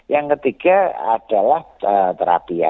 yang ketiga adalah terapi ya